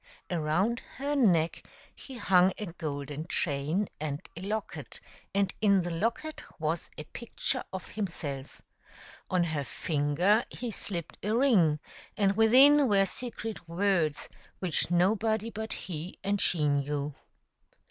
Around her neck he hung a golden chain and a locket, and in the locket was a picture of himself ; on her finger he slipped a ring, and within were secret words which nobody but he and she knew.